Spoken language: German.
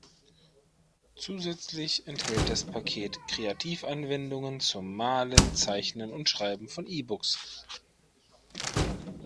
Zusätzlich enthält das Paket Kreativ-Anwendungen zum Malen, Zeichnen und Schreiben von E-Books.